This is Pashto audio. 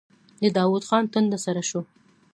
د داوود خان ټنډه سړه شوه.